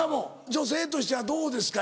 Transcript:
女性としてはどうですか？